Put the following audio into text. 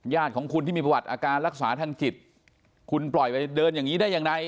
ญาติของคุณที่มีประวัติอาการรักษาทางจิตคุณปล่อยไปเดินอย่างนี้ได้ยังไง